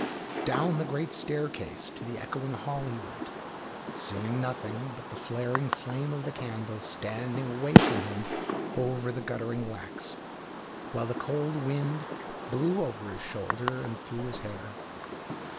Down the great staircase to the echoing hall he went, seeing nothing but the flaring flame of the candle standing away from him over the guttering wax, while the cold wind blew over his shoulder and through his hair.